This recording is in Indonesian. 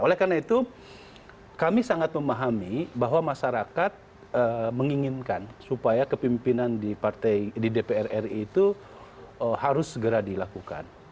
oleh karena itu kami sangat memahami bahwa masyarakat menginginkan supaya kepimpinan di dpr ri itu harus segera dilakukan